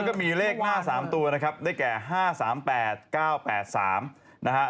แล้วก็มีเลขหน้า๓ตัวนะครับได้แก่๕๓๘๙๘๓